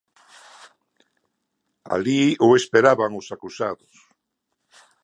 Alí o esperaban os acusados.